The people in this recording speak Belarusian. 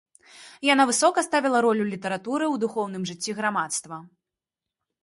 Яна высока ставіла ролю літаратуры ў духоўным жыцці грамадства.